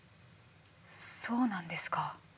そうなんですか。